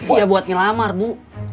iya buat ngelamar bu